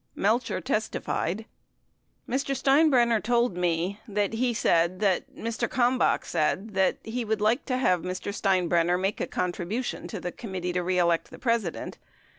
Melcher testified : Mr. Steinbrenner told me that he said that, Mr. Kalmbach said that he would like to have Mr. Steinbrenner make a con tribution in the Committee to Re Elect the President.